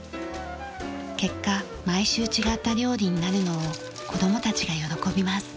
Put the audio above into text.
結果毎週違った料理になるのを子供たちが喜びます。